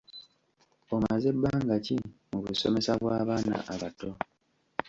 Omaze bbanga ki mu busomesa bw’abaana abato?